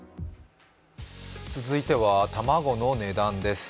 続いては卵の値段です。